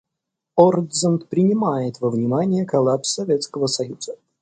Ортзанд принимает во внимание коллапс Советского Союза.